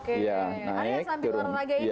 arya sambil berolahraga ini nih